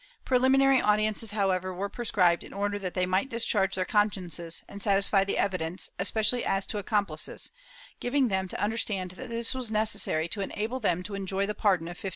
Preliminary audiences, however, were prescribed in order that they might discharge their consciences and satisfy the evidence, especially as to accomplices, giving them to imder stand that this was necessary to enable them to enjoy the par don of 1571.